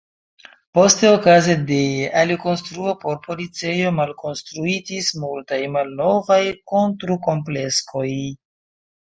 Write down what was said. Poste okaze de alikonstruo por policejo malkonstruitis multaj malnovaj kontrukompleksoj.